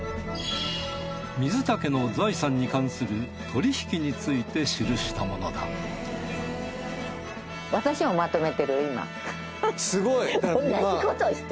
水田家の財産に関する取引について記したものだすごい！